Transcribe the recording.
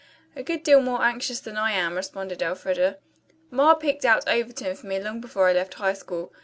"A good deal more anxious than I am," responded Elfreda. "Ma picked out Overton for me long before I left high school.